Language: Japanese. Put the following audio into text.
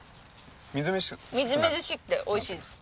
みずみずしくて美味しいです。